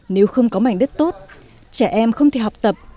nếu không có mảnh đất tốt trẻ em không thể học tập